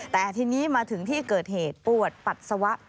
แต่ทีนี้มาถึงที่เกิดเหตุปวดปัสสาวะ